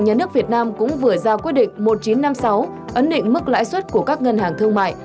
ngân hàng nhà nước việt nam cũng vừa ra quy định một nghìn chín trăm năm mươi sáu ấn định mức lãi suất của các ngân hàng thương mại